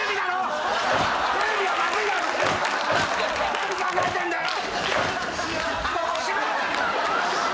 何考えてんだよ！